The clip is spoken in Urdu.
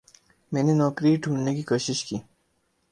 میں نے نوکری ڈھوڑھنے کی کوشش کی۔